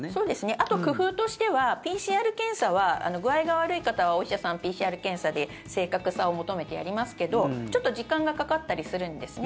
あと、工夫としてはＰＣＲ検査は具合が悪い方はお医者さん、ＰＣＲ検査で正確さを求めてやりますけどちょっと時間がかかったりするんですね。